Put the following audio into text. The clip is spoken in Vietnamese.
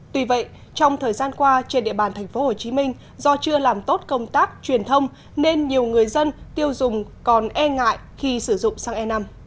tuy vậy trong thời gian qua trên địa bàn tp hcm do chưa làm tốt công tác truyền thông nên nhiều người dân tiêu dùng còn e ngại khi sử dụng xăng e năm